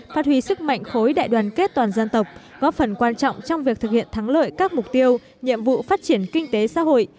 phát huy sức mạnh khối đại đoàn kết toàn dân tộc góp phần quan trọng trong việc thực hiện thắng lợi các mục tiêu nhiệm vụ phát triển kinh tế xã hội